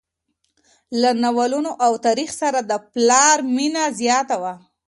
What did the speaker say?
له ناولونو او تاریخ سره د پلار مینه زیاته وه.